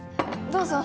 どうぞ！